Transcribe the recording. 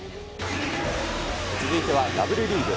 続いてはＷリーグ。